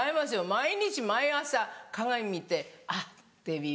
毎日毎朝鏡見て「あっデヴィ